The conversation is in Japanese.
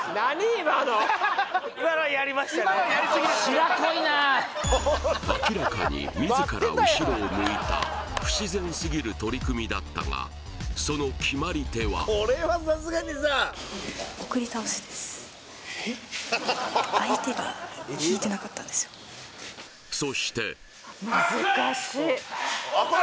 今のしらこいなあ明らかに自ら後ろを向いた不自然すぎる取組だったがその決まり手はそしてはっけよい！